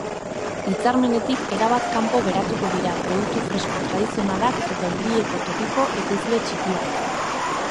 Hitzarmenetik erabat kanpo geratuko dira produktu fresko tradizionalak eta hurbileko tokiko ekoizle txikiak.